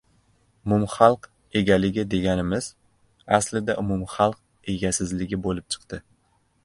Umumxalq egaligi deganimiz, aslida umumxalq egasizligi bo‘lib chiqdi.